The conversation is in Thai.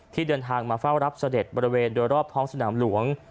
เดินทางมาเฝ้ารับเสด็จบริเวณโดยรอบท้องสนามหลวง